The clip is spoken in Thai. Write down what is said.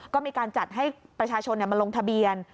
ก็มีการจัดให้ประชาชนมาลงทะเบียน